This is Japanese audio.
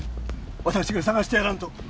私が捜してやらんと